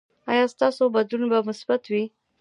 ایا ستاسو بدلون به مثبت وي؟